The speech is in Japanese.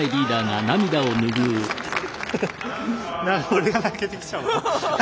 俺が泣けてきちゃうわ。